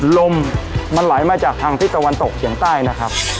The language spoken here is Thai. ลมมันไหลมาจากทางทิศตะวันตกเฉียงใต้นะครับ